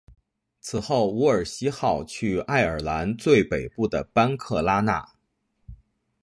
此后伍尔西号去爱尔兰最北部的班克拉纳。